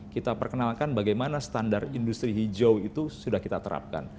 kita perkenalkan bagaimana standar industri hijau itu sudah kita terapkan